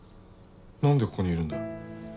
なんでここにいるんだよ。